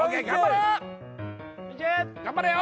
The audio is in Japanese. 頑張れよ！